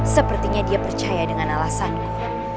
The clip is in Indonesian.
sepertinya dia percaya dengan alasanku